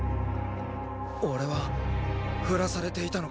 俺は振らされていたのか。